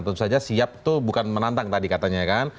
tentu saja siap itu bukan menantang tadi katanya kan